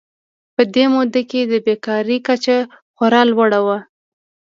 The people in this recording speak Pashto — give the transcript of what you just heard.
په دې موده کې د بېکارۍ کچه خورا لوړه وه.